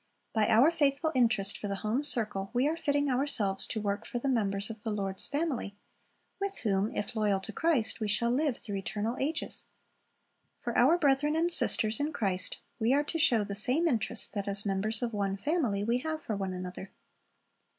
By our faithful interest for the home circle we are fitting ourselves to work for the members of the Lord's family, with whom, if loyal to Christ, we shall live through eternal ages. For our brethren and sisters in Christ we are to show the same interest that as members of one family we have for one another.